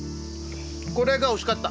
これが欲しかった。